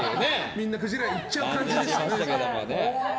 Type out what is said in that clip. みんなくじら屋行っちゃう感じでしたね。